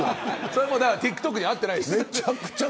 それはＴｉｋＴｏｋに合ってないです。